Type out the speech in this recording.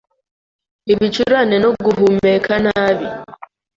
ibicurane no guhumeka nabi